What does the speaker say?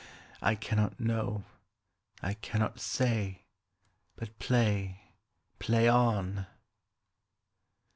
I cannot know. I cannot say. But play, play on.